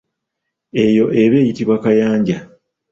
Eyo eba eyitibwa kayanja.